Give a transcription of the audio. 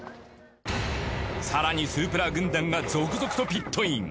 更にスープラ軍団が続々とピットイン。